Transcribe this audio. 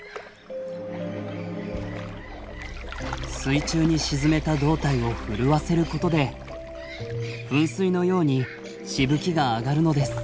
水中に沈めた胴体を震わせることで噴水のようにしぶきが上がるのです。